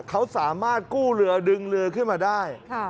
เขาสามารถกู้เรือดึงเรือขึ้นมาได้